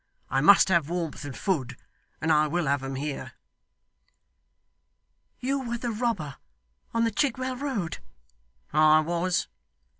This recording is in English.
I must have warmth and food, and I will have them here.' 'You were the robber on the Chigwell road.' 'I was.